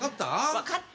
分かった。